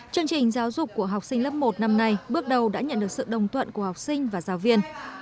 chương trình giáo dục của học sinh lớp một năm nay bước đầu đã nhận được sự đồng tuận của học sinh và giáo viên